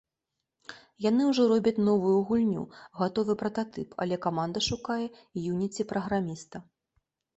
Яны ўжо робяць новую гульню — гатовы прататып, але каманда шукае Unity-праграміста.